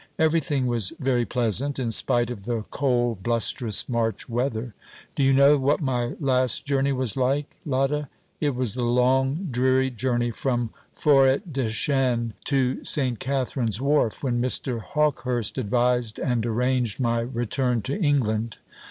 Everything was very pleasant, in spite of the cold blusterous March weather. Do you know what my last journey was like, Lotta? It was the long dreary journey from Forêtdechêne to St. Katharine's Wharf, when Mr. Hawkehurst advised and arranged my return to England.